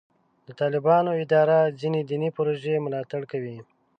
د طالبانو اداره ځینې دیني پروژې ملاتړ کوي.